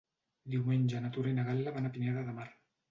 Diumenge na Tura i na Gal·la van a Pineda de Mar.